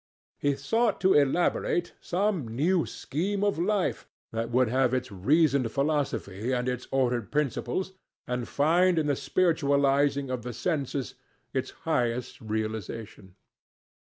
He sought to elaborate some new scheme of life that would have its reasoned philosophy and its ordered principles, and find in the spiritualizing of the senses its highest realization.